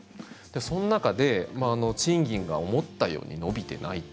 その中で賃金が思ったように伸びてない。